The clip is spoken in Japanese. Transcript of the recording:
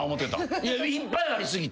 いやいっぱいあり過ぎて。